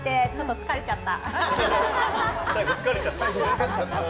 疲れちゃった。